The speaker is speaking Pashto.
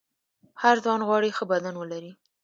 هر ځوان غواړي ښه بدن ولري.